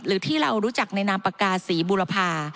หรือที่เรารู้จักในนามปากกาศรีบุรพา